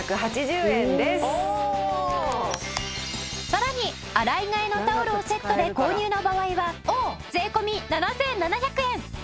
さらに洗い替えのタオルをセットで購入の場合は税込７７００円。